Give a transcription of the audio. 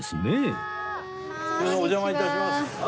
どうもお邪魔いたします。